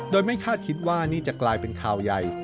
โดยไม่คาดคิดว่านี่จะกลายเป็นข่าวใหญ่